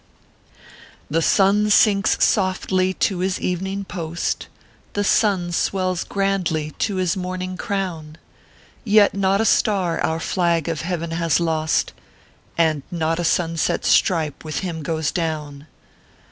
The suu sinks softly to his evening post, The sun swells grandly to his morning crown ; Yet not a star our flag of Heav n has lost, And not a sunset stripo with him goes down.